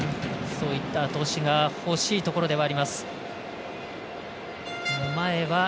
そういった後押しが欲しいところではあります。